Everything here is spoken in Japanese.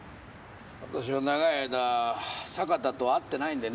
私は長い間坂田と会ってないんでね。